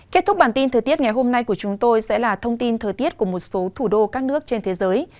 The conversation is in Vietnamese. kết thúc bản tin thời tiết ngày hôm nay của chúng tôi sẽ là thông tin thời tiết của một số thủ đô các nước trên thế giới